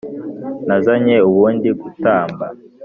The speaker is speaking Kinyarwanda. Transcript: Nazanye ubundi gutamba